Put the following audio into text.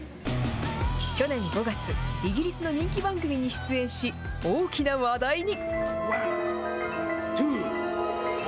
去年５月、イギリスの人気番組に出演し、大きな話題に。